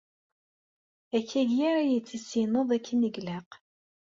Akkagi ara iyi-tissineḍ akken i ilaq.